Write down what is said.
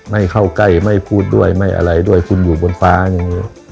ไม่เข้าใกล้ไม่พูดด้วยไม่อะไรด้วยคุณอยู่บนฟ้าอย่างนี้